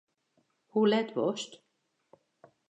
Hoe let wolst?